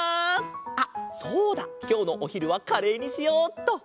あっそうだきょうのおひるはカレーにしようっと。